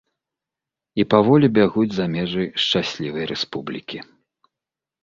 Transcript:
І паволі бягуць за межы шчаслівай рэспублікі.